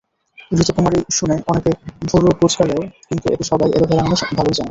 ঘৃতকুমারী শুনে অনেকে ভুরু কোঁচকালেও কিন্তু একে সবাই অ্যালোভেরা নামে ভালোই চেনেন।